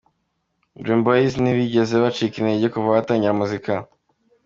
Dream Boyz ntibigeze bacika intege kuva batangira muzika.